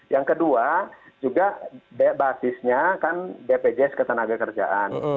yang kedua juga basisnya kan bpjs ketenagakerjaan